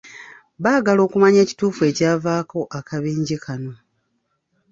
Baagala okumanya ekituufu ekyavaako akabenje kano.